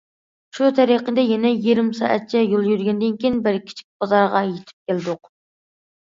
شۇ تەرىقىدە يەنە يېرىم سائەتچە يول يۈرگەندىن كېيىن بىر كىچىك بازارغا يېتىپ كەلدۇق.